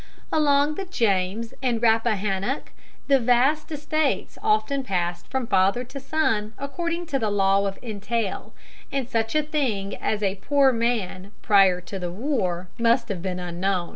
Along the James and Rappahannock the vast estates often passed from father to son according to the law of entail, and such a thing as a poor man "prior to the war" must have been unknown.